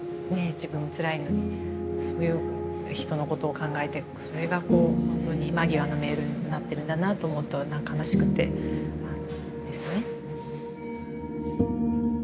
自分つらいのにそういう人のことを考えてそれがこうほんとに間際のメールになってるんだなあと思うと何か悲しくてですね。